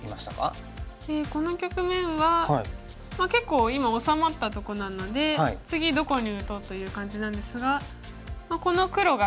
この局面は結構今治まったとこなので次どこに打とうという感じなんですがこの黒がちょっと気になるっていうのと。